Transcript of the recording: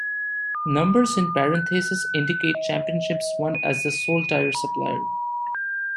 Numbers in parentheses indicate championships won as the sole tyre supplier.